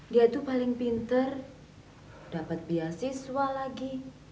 dia itu paling pinter dapat beasiswa lagi